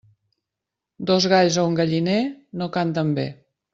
Dos galls a un galliner, no canten bé.